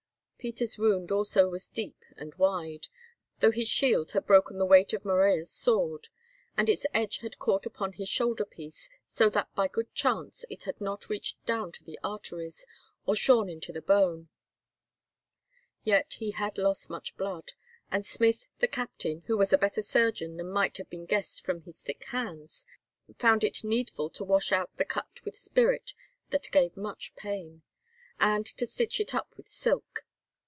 Peter's wound also was deep and wide, though his shield had broken the weight of Morella's sword, and its edge had caught upon his shoulder piece, so that by good chance it had not reached down to the arteries, or shorn into the bone; yet he had lost much blood, and Smith, the captain, who was a better surgeon than might have been guessed from his thick hands, found it needful to wash out the cut with spirit that gave much pain, and to stitch it up with silk.